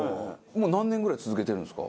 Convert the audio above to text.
何年ぐらい続けてるんですか？